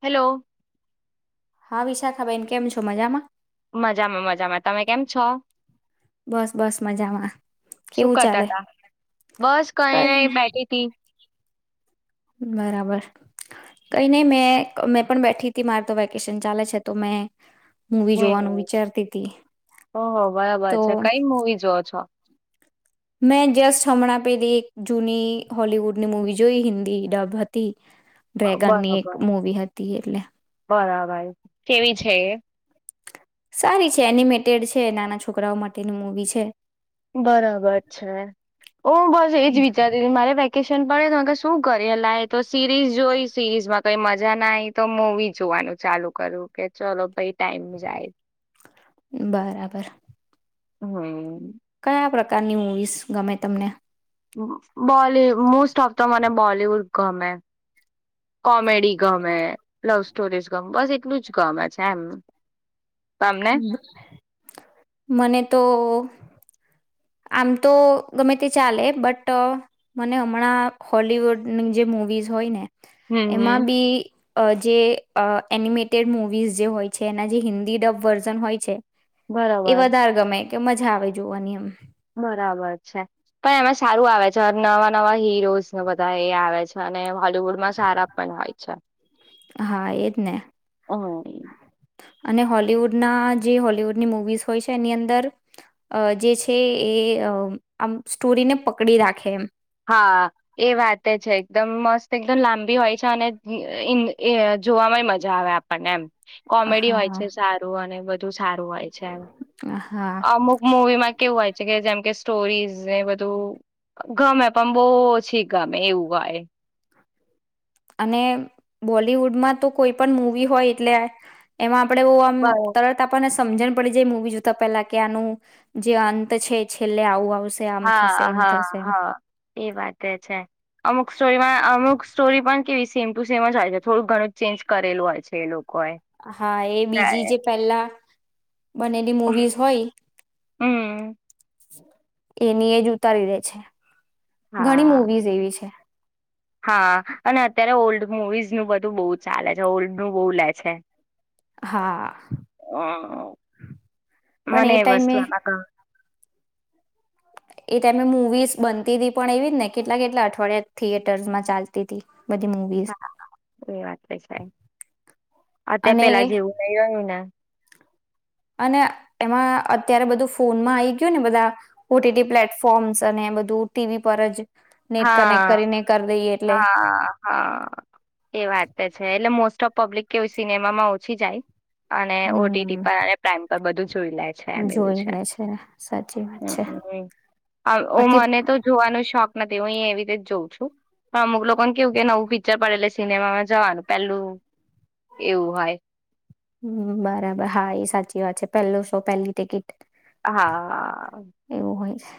Hello. હા વિશાખાબેન કેમ છો મજામાં. મજામાં મજામાં તમે કેમ છો. બસ બસ મજામાં સુું કેવું કરતા ચાલે હતા બસ કઈ ન બેઠી તી. બરાબર. કઈ નહી મેં મેં પણ બેઠી હતી મારે તો વેકેશન ચાલે છે તો મેં મુવી હમ જોવાનું વિચારતી હતી ઓહો તો બરાબર છે કઈ મૂવી જોવો છો મેં જસ્ટ હમણાં પેલી એક જૂની હોલીવુડની મુવી જોઈ હિન્દી ડબ હતી. ડ્રેગન ની બરાબર એક મૂવી હતી એટલે. બરાબર કેવી છે એ. સારી છે એનિમેટેડ છે નાના છોકરાઓ માટેની મૂવી છે. બરાબર છે ઓ હો બસ એજ વિચારીતી મારે વે વેકેશન પડે તો શું કરીએ લય તો સિરીઝ જોઈ સિરીઝ માં કઈ મજા ના આવીય તો મુવી જો જોવા નું ચાલુ કરું કે ચલો કઈ ટાઈમ જાય. બરાબર. હમ્મ. કયા પ્રકારની મુવીઝ ગમે તમને. બોલી મોસ્ટ ઓફ તો મને બોલીવુડ ગમે. કોમેડી ગમે લવ સ્ટોરીઝ ગમે બસ એટલું જ ગમે છે એમ. તમને મને તો આમ તો ગમે તે ચાલે બટ મને હમણાં હોલવુડની જે મુ મુવીઝ હોય ને હમ હમ એમાં બી અ જે આ એનિમેટેડ મુવીઝ જે હોય છે એના જે હિન્દી ડવ વર્ઝન હોય છે. એ બરોબર વધારે ગમે કે મજા આવે જોવાની એમ. બરાબર છે પણ એમાં સારું આવે છે નવા નવા હીરોઝ બધા એ આવે છે અને હોલિવુડમાં સારા પણ હોય છે હા એજ ને હમ્મ. અને હોલીવુડના જે હોલીવુડની મુવીઝ હોય છે એની અંદર અ જે છે એ આમ સ્ટોરીને પકડી રાખે એમ. હા એ વાત છે એકદમ મસ્ત એકદમ લાંબી હોય છે અને [unintelligible] જોવા મય મજા આવે આપણને એમ. કોમેડી હોય હા છે સારું અને બધું સારું હોય છે હા અમુક મુવીમાં કેવું હોય છે કે જેમ કે સ્ટોરીઝ ને એ બધું ગમે. પણ બો ઓછી ગમે એવું હોય. અને બોલિવુડમાં તો કોઈ પણ મુવી હોય એટલે એમાં આપડે આમ બરો તરત આપણને સા સમજણ પડી જાય મુવી જોતા પેલા કે આનું જે અંત છે છેલ્લે આવું આવુ હા હા હા. એ વાત છે અમુક સ્ટોરીમાં અમુક સ્ટોરી પણ કેવી સેમ ટુ સેમ જ હોાય છે થોડું ઘણું જ ચેન્જ કરેલું હોય છે એ લોકો હા એ બીજી જે પહેલા બનેલી મુવીઝ હોય હમ એની એ જ ઉતારી દે છે ઘણી હા. મવીઝ એવી છે હા અને અત્યારે ઓલ્ડ મુવીઝ નું બધું બહુ ચાલે છે ઓલ્ડ નું બહુ લે છે હા હા પણ મને એ વસ્તુ ટાઈમે એમાં ક મે મુવીઝ બનતી હતીી પણ એવી જ ને કેટલા કેટલા અઠવાડિયા થિયેટર્સ માં ચાલતી હતી બધી મુવીઝ હા એ વાત તો છે અત્યારે અને પેલા જેવું નહીં રયુ ને અને એમાં અત્યારે બધું ફોનમાં આવી ગયું ને બધા ઓટીટી પ્લેટફોર્મ્સ અને ધુર ટીવી પર જ નેટ હા. કનેક્ટ કરીને કર દઈએ એટલે હા હા એ વાત છે એટલે મો ટોપ પ્લિક કે સિનેમામાં ઓછી જાય અને ઓ હમ પર પ્રઇમ પર બધું જોઈ લે છેમે જોઈ છે લે સાચી વાત છે હ હ બાકી મને તો જોવાનો શોખ નથી હું અ એવી રીતે જોઉં છું તો અમુક લોકોને કેવું કે નવું પિક્ચર પડેલે સિનેમામાં જવાનું પેલું એવું હોય હ બરાબર હા એ સાચી વાત છે પહેલો શો પહેલી ટકીિટ હા એવું હોય છે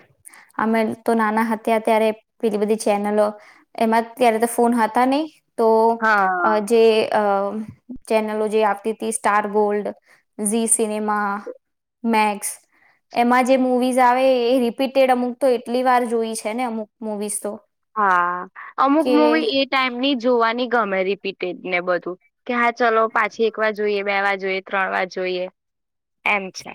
અમે તો નાના હતા ત્યારે પેલી બધી ચેનલો એમાં ક્યારે તો ફોન હતા નહ હા અ ચેનલો જે આવતી Star Gold Zee Cinema Max એમાં જે મૂવીઝ આવે એ રિપીટેડ અમુક તો એટલી વાર જોઈ છે ને અમુક મુવીઝ તો હા અમુક કે મુૂવી એ ટાઈમની જોવાની ગમે રિપીટેડ ને બધું કે હા ચલો પાછી એક વાર જોઈએ બે વાર જોઈએ ત્રણ વાર જોઈએ એમ છે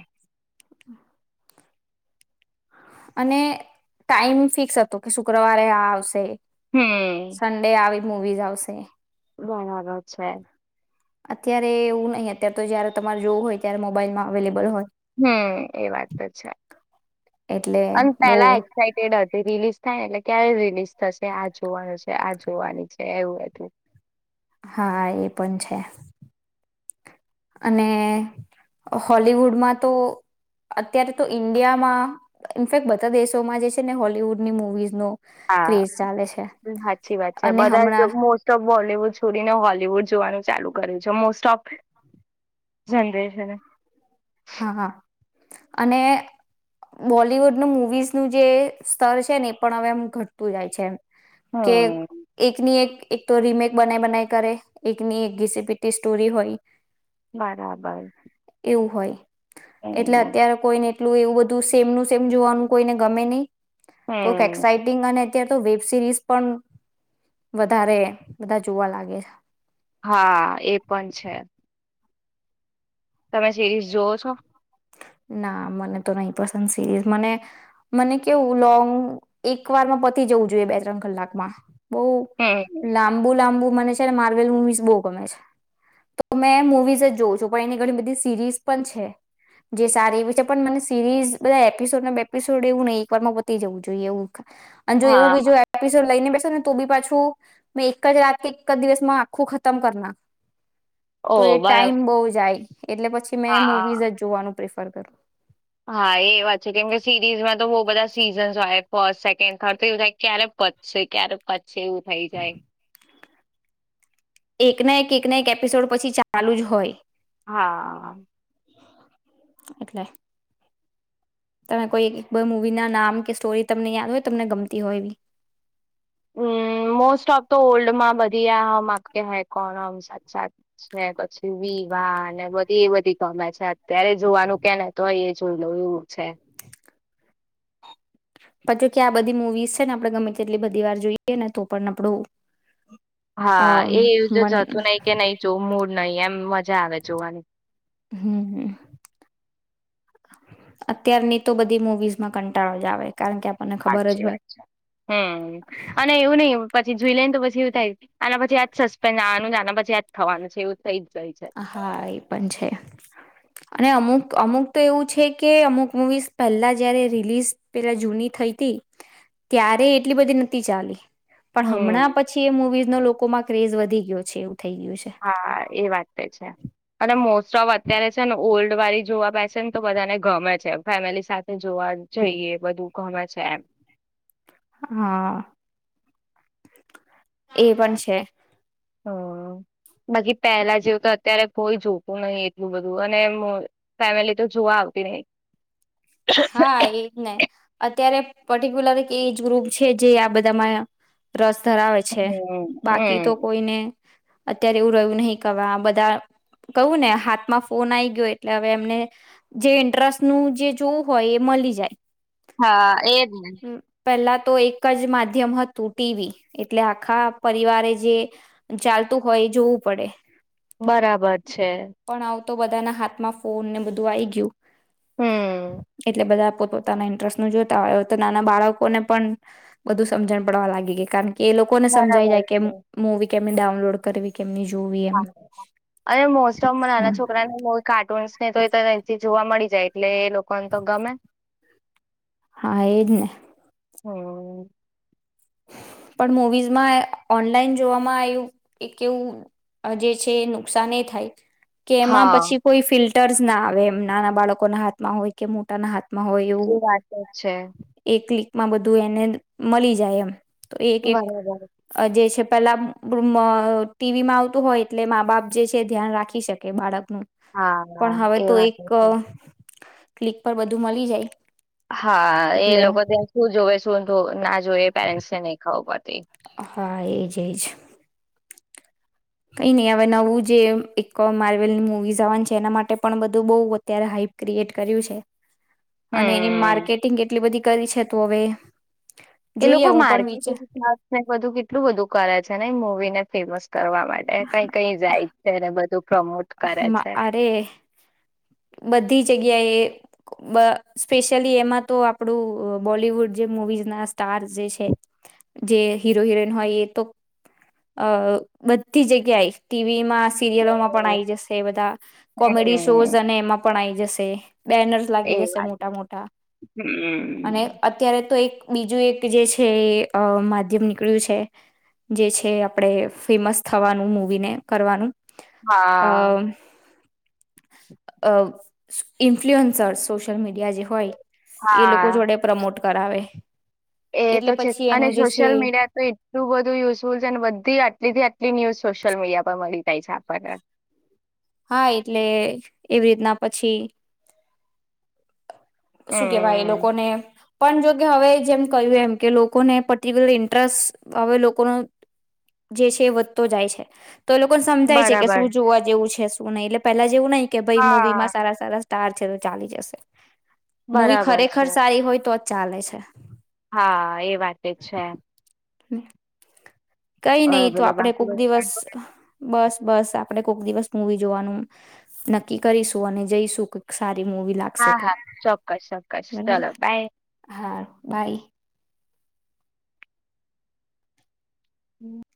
અને ટાઈમ ફિક્સ હતુ કે શુક્રવારે આ આવશે હમ્મ મુવીઝ આવશે બરાબર છે અત્યારે એવું નહી અત્યારે તો જયારે તમારે જોવું હોય ત્યારે મોબાઈલમાં અવેલેબલ હોય હમ્મ એ વાત તો છે એટલે અને બહુ પેલા એક્સાઇટેડ હતી રિલીઝ થાય એટલે ક્યારે રિલીઝ થશે આ જોવાનું છે આ જોવાની છે એવું એટું હા એ પણ છે અને હોલવુડમાં તો અત્યારે તો ઈન્ડિયામાં ઇનફેક્ટ બધા દેશોમાં જે છે ને હોલવુડની મુૂવીઝનો હા હાચી વાત છે અને બધા જ હમણાં મોસ્ટ ઓફ બોલીવુડ છોડીને હોલીવુડ જોવાનું ચાલુ કરે છે મોસ્ટ ઓફ જનરેશન હા અને બોલિવુડનું મૂવીઝનું જે સ્તર છે ને એ પણ હવે એમ ઘટતું જાય છે એમ કે હમ એકની એક એક તો રીમેક બનાય બનાય કરે એકની એક ગીસીપીટી સ્ટોરી હોય બરાબર એવું હોય એટલે હમ અત્યારે કોઈને એટલું એવું બધું સેમ નું સેમ જોવાનું કોઈને ગમે નહી કોક હમ એક્સાઈટિંગ અને અત્યારે તો વેબ સિરીઝ પણ વધારે બધા જોવા લાગે છે હા એ પણ છે તમે સિરીઝ જોવો છો ના મને તો નહી પસંદ સિરીઝ મને મને કેવું લોંગ એક વાર પતી જવું જોઈએ બે ત્રણ કલાકમાં બહુ હમ લાંબુ લાંબુ મને છેને માર્વેલ મુવીઝ બહુ ગમે છે તો મેં મુવીઝ જ જોઉં છું પણ એની ઘણી બધી સિરીઝ પણ છે જે સારી એવી છે પણ મને સિરીઝ બધા એપિસોડ ને બેપિસોડ એવું નહીં એકવારમાં બતી જવું જોઈએ એવું અને જો એવું હા બીજું એપિસોડ લઈને ને તો બી પાછું મેં એક જ રાત કે એક જ દિવસમાં આખું ખતમ કરના ઓ તો એ બરાબર ટાઈમ બહુ જાય એટલે પછી મેં હા મુવીઝ જ જોવાનું પ્રિફર કર્યું હા એ વાત છે કેમ કે સિરીઝમાં તો બહુ બધા સીઝન્સ હોય ફર્સ્ટ સેકન્ડ થર્ડ તો એવું થાય ક્યારે પછશે ક્યારે પતશે એવું થઈ જાય એક ના એક એક ના એક એપિસોડ પછી ચાલુ જ હોય. હા એટલે તમે કોઈ એક એક મુવી ના નામ કે સ્ટોરી તમને યાદ હોય તમને ગમતી હોય એવી હમ મોસ્ટ ઓફ તો ઓલ્ડ માં બધા દીયા હમ આપકે હે કોણ આમ સાત સાત ને પછી વિ વા ને બધી એ બધી વાછાત અત્યારે જોવાનું કેને તો હોય એ જોઈ લઉ એવું છે. પછી કે આ બધી મુવીઝ છે ને આપડણે ગમે તેટલી બધી વાર જોઈએ ને તો પણ આપડું હા એવું જો જતું નહી કે નહી જોવ મૂડ નહીિ એમ મજા આવે જોવાની હમ. અત્યારની તો બધી મુવીઝ માં કંટાળો જ આવે છે. હાચી વાતછે હમ અને એવું નઈ પછી જોઈ લેને તો પછી એવું થાય અનેના પછી આજ સસ્પેન્સ આનું પછી આજ થવાનું છે એવું. થઈ જ જાય છે. હા એ પણ છે અને અમુક અમુક તો એવું છે કે અમુક મુવીઝ પેલા જયારે રિલીઝ પેલા જૂની થઈ હતી. ત્યારે એટલી બધી નથી ચાલી. પણ હમણાં હમ પછી એ મુવીઝનો લોકોમાં ક્રેઝ વધી ગયો છે. થઈ ગયું હા એ વાત છે અને મોસ્ટ ઓફ અત્યારે છે ને ઓલ્ડ વાળી જોવા બેસે ને તો બધાને ગમે છે ફેમિલી સાથે જોવા. જઈએ બધું ગમે છે એમ હા એ પણ છે. હા. બાકી પહેલા જેવું તો અત્યારે કોઈ જોતું નહી એટલું બધું અને ફેમિલી તો જોવા આવતી નહી. હા એજ ને. અત્યારે પર્ટિક્યુલર એજ ગ્રુપ છે જે આ બધામાં રસ ધરાવે છે હમ બાકી તો હમ કોઈને અત્યારે એવું રહ્યું નહી કવા બધા કહું ને હાથમાં ફોન આવી ગયો એટલે હવે એમને જે ઇન્ટરેસ્ટ નું જે જો હોય એ મળી જાય. હા એજ ને. પહેલા તો એક જ માધ્યમ હતું ટીવી એટલે આખા પરિવારે જે ચાલતુ તું હોય જોવું પડે. બરાબર છે. પણ આવું તો બધાના હાથમાં ફોન ને બધું આ આવી ગયું. હમ એટલે બધા પોતાના ઇન્ટરેસ્ટ જોતા હોયય તો નાના બાળકોને પણ બધુ સમજણ પડવા લાગી ગઈ કારણ કે કે એ લોકોને સમજાઈ બરાબર જાય કે છે મુવી કેમને ડાઉનલોડ કરવી કેમની જોવી એમ હા અને મોસ્ટ ઓફ નાના છોકરાને કાર્ટૂનસ ન તો એથી જોવા મળી જાય એટલે. એ લોકોને તો ગમે હા એ જ ને. હમ પણ મુવીઝમાં ઓનલાઈન જોવામાં આવું એક એવું જે છે નુકસાન એ થાય. કે એમાં હા પછી કોઈ ફિલ્ટર્સ ના આવે એમ નાના બાળકો ના હાથમાં હોય કે મોટાના હાથ હોય એ એવું વાત તો છે એક માં બધું એને મળી જાય એમ તો એ એક બરાબર જે છે પેલા ટીવીમાં આવતું હોય એટલે મા બાપ જે છે ધ્યાન રાખી શકે બાળક હા પણ હવે એ તો વાત એક છે. ક્લિક પર બધું મળી જાય. હા એ એટલે લોકો ત્યાં શું જોવે શું ના જોઈ પેરેને નહી ખું પડ હા એજ એજ કઈ નહી હવે નવું જે એક માર્વેલની મુવીઝ આવવાનું છે એના માટે પણ બધું બઉ અત્યારે હાઈ એટ કર છે અને એની હમ માર્કેટિંગ એટલી બધી કરી છે તો હવે એ જોઈએ લોકો હું પણ માર્કેટ વિચાર બધું કેટલું બધું કરે છે ને એ મુવી ને ફેમસ કરવા માટે કઈ કઈ જાય છે બધું પ્રમોટ કરે છે. અરે બધી જગ્યાએ સ્પેશિયલી એમાં તો આપણું બોલવુડ જે મુવીઝ ના સ્ટાર્સ જે છે જે હીરો હિરોઈન હોય એ તો અ બધી જગ્યાએ ટીવીમાં સીરિયલોમાં પણ આઈ જશે બધા કોમેડી શોઝ હમ અને એમાં પણ આઈ જશે. બેનર્સ એ લાગી જશે વાત મોટા મોટા અને હમ અત્યારે તો એક બીજું એક જે છે અ માધ્યમ નીકળ્યું છે. જે છે આપણેે ફેમસ થવાનું મૂવીને કરવાનું. અ હા. અ ઇન્ફલ્યુઅન્સર્સ સોશિયલ મીડી એ. આઈ. જે હોય એ લોકો હા. જોડે પ્રમોટ કરાવે. એ તો એટલે છે પછી અને એનું જે છે સોશિયલ મીડિયા તો એટલું બધું યુઝફુલ છે અને બધી આટલે થી આટ ફેક ન્યૂઝ સોશિયલ મીડિયા પર મળી જાય છે આપણને. હા એટલે એવી રીતના પછી શું કેવાય એ હમ લોકોને પણ જોકે હવે જેમ કહ્યું એમ કે લોકોને પર્ટિક્યુલર ઇન્ટરેસ્ટ હવે લોકોનો જે છે એ વધતો જાય છે. તો એ લોકોને સમજાય છે કે બરાબર શું જોવા જેવું છે શું નહી એટલે પહેલા જેવું નહિ કે ભઈ હા મૂવીમાં સારા સારા તાર છે તો ચાલી જશે મૂવી બરાબર ખરેખર છે સારી હોય તો જ ચાલે છે. હા એ વાતે છે. [inaudible] કઈ નઈ અ તો બોલો આપડે બાકી કોક બધું દિવસ સારું? બસ બસ આપણેે કોઈક દિવસ મૂવી જોવાનું નક્કી કરીશું અને જઈશું કોક સારી મુવી લાગશે હા તો હા ચોક્કસ ચોક્કસ બરાબર ચલો બાય. હા બાય. [inaudible]